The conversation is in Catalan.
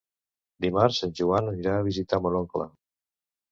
Dimarts en Joan anirà a visitar mon oncle.